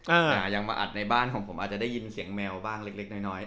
แต่ยังมาอัดในบ้านของผมอาจจะได้ยินเสียงแมวบ้างเล็กน้อย